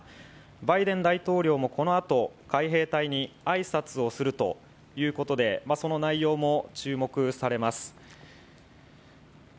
バイデン大統領もこのあと海兵隊に挨拶をするということでその内容も注目されます。